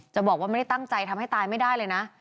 บอกว่าไม่ได้ตั้งใจทำให้ตายไม่ได้เลยนะ